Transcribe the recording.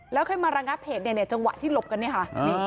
แล้วเข้ามาระงับเพจเนี่ยเนี่ยจังหวะที่หลบกันเนี่ยค่ะ